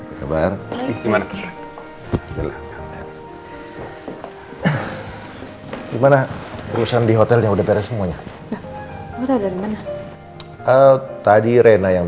hai apa kabar gimana gimana perusahaan di hotelnya udah beres semuanya tadi rena yang